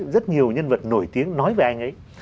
rất nhiều nhân vật nổi tiếng nói về anh ấy